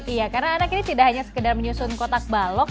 iya karena anak ini tidak hanya sekedar menyusun kotak balok